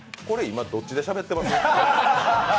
今、どっちでしゃべってます？